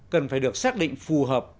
cần phải được xác định phù hợp